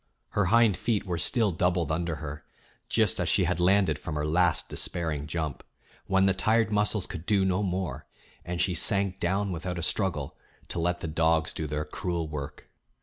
Her hind feet were still doubled under her, just as she had landed from her last despairing jump, when the tired muscles could do no more, and she sank down without a struggle to let the dogs do their cruel work.